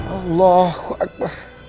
allah kok aku